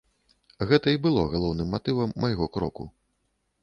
Гэта і было галоўным матывам майго кроку.